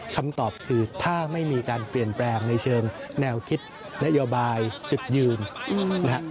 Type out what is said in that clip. คำตอบคือถ้าไม่มีการเปลี่ยนแปลงในเชิงแนวคิดนโยบายจุดยืนนะฮะ